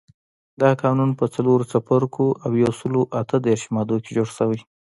دا قانون په څلورو څپرکو او یو سلو اته دیرش مادو کې جوړ شوی.